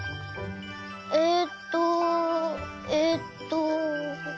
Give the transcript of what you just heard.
えっとえっと。